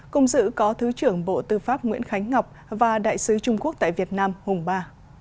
cùng giữ có thứ trưởng bộ tư pháp nguyễn khánh ngọc và đại sứ trung quốc tại việt nam hùng ba